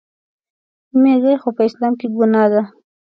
میږي خو په اسلام کې ګناه ده.